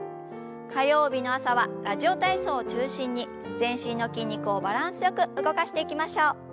火曜日の朝は「ラジオ体操」を中心に全身の筋肉をバランスよく動かしていきましょう。